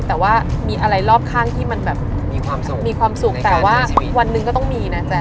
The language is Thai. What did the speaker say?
แต่ว่ามีอะไรรอบข้างที่มันแบบมีความสุขมีความสุขแต่ว่าวันหนึ่งก็ต้องมีนะแจ๊